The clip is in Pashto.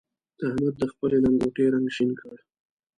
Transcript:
احمد د خپلې لنګوټې رنګ شين کړ.